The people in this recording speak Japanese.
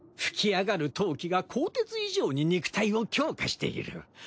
吹き上がる闘気が鋼鉄以上に肉体を強化している。